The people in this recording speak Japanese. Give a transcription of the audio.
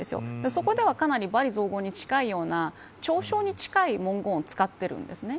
そこではかなり罵詈雑言に近いような嘲笑に近い文言を使っているんですね。